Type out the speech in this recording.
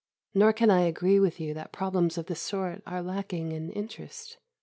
Nor can I agree with you that problems of this sort are lacking in interest.